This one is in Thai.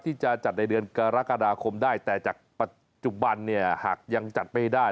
ที่จะจัดในเดือนกรกฎาคมได้แต่จากปัจจุบันเนี่ยหากยังจัดไม่ได้